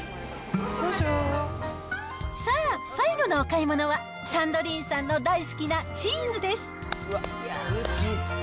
さあ、最後のお買い物は、サンドリーンさんの大好きなチーズです。